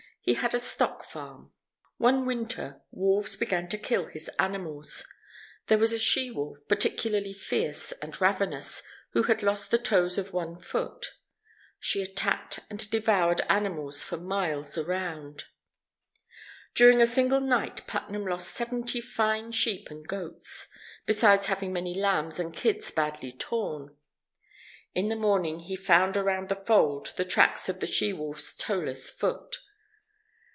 He had a stock farm. One winter, wolves began to kill his animals. There was a she wolf, particularly fierce and ravenous, who had lost the toes of one foot. She attacked and devoured animals for miles around. During a single night Putnam lost seventy fine sheep and goats, besides having many lambs and kids badly torn. In the morning he found around the fold the tracks of the she wolf's toeless foot.